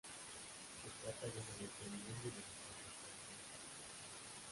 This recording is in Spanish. Se trata de una lesión bien delimitada pero no encapsulada.